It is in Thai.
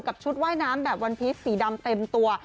ชุดว่ายน้ำแบบวันพีชสีดำเต็มตัว